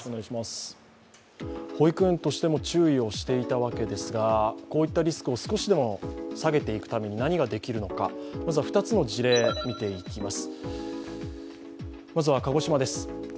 保育園としても注意をしていたわけですがこういったリスクを少しでも下げていくために何ができるのかまずは２つの事例を見ていきます。